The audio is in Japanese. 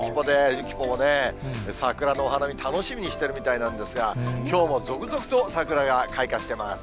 ゆきポもね、桜のお花見、楽しみにしてるみたいなんですが、きょうも続々と桜が開花してます。